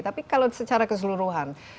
tapi kalau secara keseluruhan